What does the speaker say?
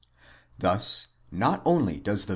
Thus not only does the.